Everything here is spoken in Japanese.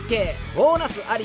ボーナスあり！